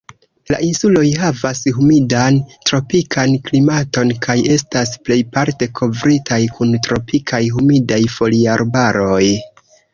La insuloj havas humidan tropikan klimaton, kaj estas plejparte kovritaj kun tropikaj humidaj foliarbaroj.